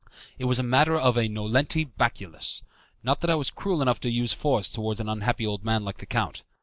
It was a matter of a 'nolenti baculus'; not that I was cruel enough to use force towards an unhappy old man like the count.